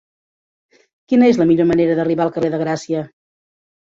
Quina és la millor manera d'arribar al carrer de Gràcia?